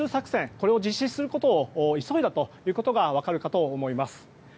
これを実施することを急いだということが分かるかと思います。